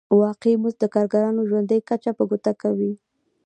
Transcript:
واقعي مزد د کارګرانو د ژوند کچه په ګوته کوي